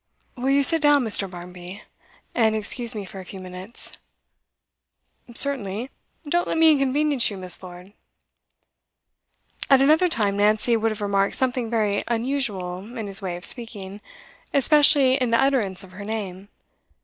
'Will you sit down, Mr. Barmby, and excuse me for a few minutes?' 'Certainly. Don't let me inconvenience you, Miss. Lord.' At another time Nancy would have remarked something very unusual in his way of speaking, especially in the utterance of her name.